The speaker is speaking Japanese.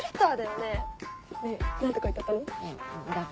ねぇ何て書いてあったの？